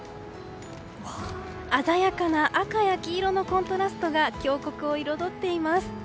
鮮やかな赤や黄色のコントラストが峡谷を彩っています。